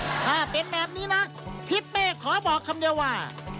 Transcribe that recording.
ถ้าเป็นแบบนี้นะทิศเป้ขอบอกคำเดียวว่า